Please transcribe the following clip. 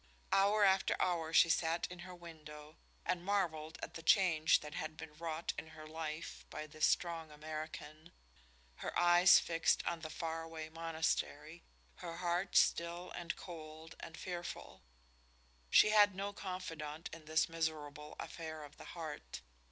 Hour after hour she sat in her window and marveled at the change that had been wrought in her life by this strong American, her eyes fixed on the faraway monastery, her heart still and cold and fearful. She had no confidant in this miserable affair of the heart.